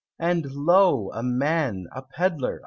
And lo! a man! a Pedlar!